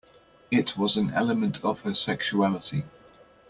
It was an element of her sexuality.